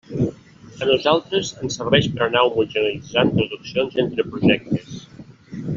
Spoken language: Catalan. A nosaltres ens serveix per anar homogeneïtzant traduccions entre projectes.